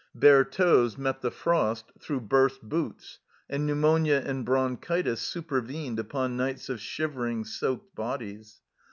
Bare toes met the frost through burst boots, and pneumonia and bronchitis supervened upon nights of shivering, soaked bodies.